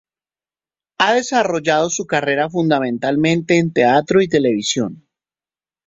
Ha desarrollado su carrera fundamentalmente en teatro y televisión.